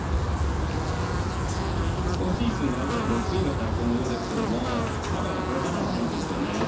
今シーズンワールドカップ６位が最高のようですがまだまだこれからの選手ですよね。